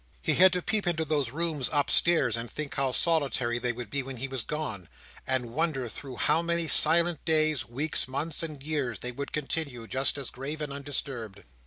He had to peep into those rooms upstairs, and think how solitary they would be when he was gone, and wonder through how many silent days, weeks, months, and years, they would continue just as grave and undisturbed.